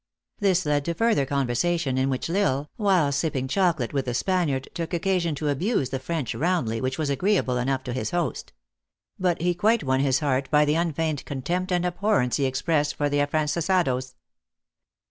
This led to further conversation, in which L Isle, while sipping chocolate with the Spaniard, took occasion to abuse the French roundly, which was agreeable enough to his host; but he quite won his heart by the unfeigned contempt and abhor rence he expressed for the Afrancesados.